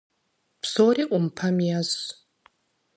Псори Ӏумпэм ещӏ.